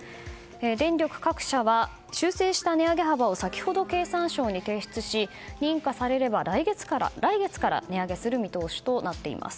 電力各社は修正した値上げ幅を先ほど経産省に提出し認可されれば、来月から値上げする見通しとなっています。